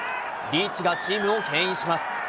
リーチがチームをけん引します。